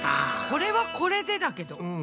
これはこれでだけど。